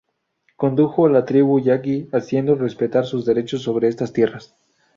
Condujo a la tribu Yaqui haciendo respetar sus derechos sobre estas tierras.